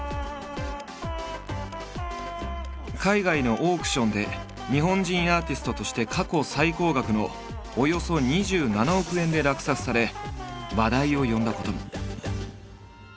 海外のオークションで日本人アーティストとして過去最高額のおよそ２７億円で落札され話題を呼んだことも。